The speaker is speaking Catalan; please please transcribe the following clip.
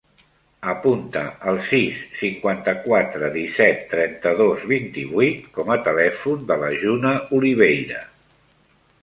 Apunta el sis, cinquanta-quatre, disset, trenta-dos, vint-i-vuit com a telèfon de la Juna Oliveira.